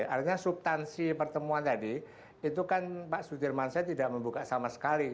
artinya subtansi pertemuan tadi itu kan pak sudirman said tidak membuka sama sekali